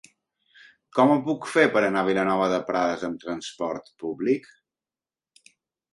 Com ho puc fer per anar a Vilanova de Prades amb trasport públic?